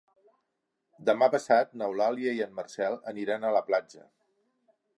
Demà passat n'Eulàlia i en Marcel aniran a la platja.